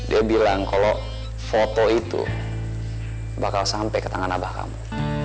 dia bilang kalau foto itu bakal sampai ke tangan abah kamu